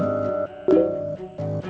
thực sự sợ hãi